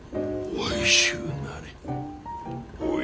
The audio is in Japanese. おいしゅうなれ。